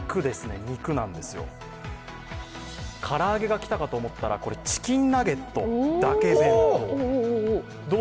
肉なんですよ、唐揚げがきたと思ったらチキンナゲットだけ弁当。